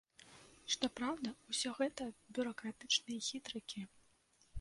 Што праўда, усё гэта бюракратычныя хітрыкі.